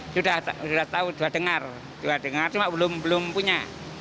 sudah tahu sudah dengar tapi belum punya